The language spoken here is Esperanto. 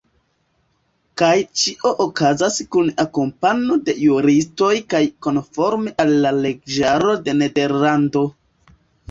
Kaj ĉio okazas kun akompano de juristoj kaj konforme al la leĝaro de Nederlando.